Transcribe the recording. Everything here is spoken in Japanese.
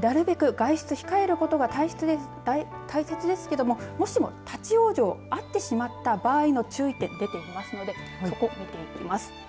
なるべく外出、控えることが大切ですけれどももしも立往生あってしまった場合の注意点出ていますのでそこ、見ていきます。